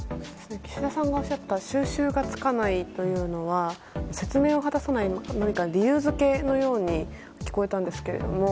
岸田さんがおっしゃった収拾がつかないというのは説明を果たさない理由付けのように聞こえたんですけれども。